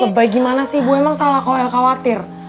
lebay gimana sih ibu emang salah kalau el khawatir